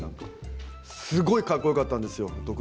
すごいかっこよかったんですよ。